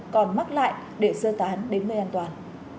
còn mắc lại để sơ tán đến nơi an toàn